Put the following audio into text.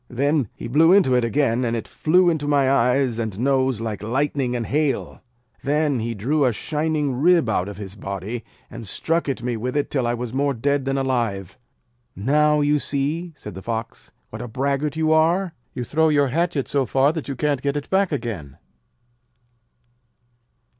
Then he blew into it again, and it flew into my eyes and nose like lightning and hail. Then he drew a shining rib out of his body, and struck at me with it till I was more dead than alive.' 'Now, you see,' said the Fox, 'what a braggart you are. You throw your hatchet so far that you can't get it back again.'